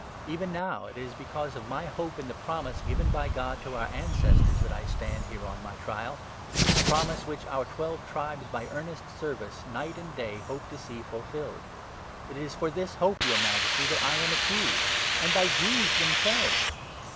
Even now, it is because 6 of my hope in the promise given by God to our ancestors that I stand here on my trial — a promise which our Twelve Tribes, 7 by earnest service night and day, hope to see fulfilled. It is for this hope, your Majesty, that I am accused — and by Jews themselves